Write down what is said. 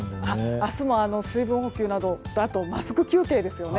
明日も水分補給などマスク休憩ですよね